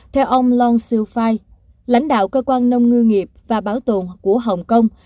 theo ông long siu phai lãnh đạo cơ quan nông ngư nghiệp và báo tồn của hồng kông